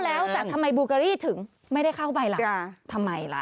แล้วแต่ทำไมบูเกอรี่ถึงไม่ได้เข้าไปล่ะทำไมล่ะ